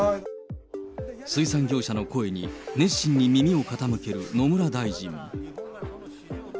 水産業者の声に、熱心に耳を傾ける野村大臣。